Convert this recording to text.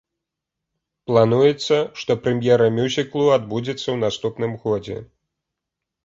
Плануецца, што прэм'ера мюзіклу адбудзецца ў наступным годзе.